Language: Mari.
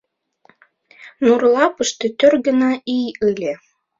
Нур лапыште тӧр гына ий ыле.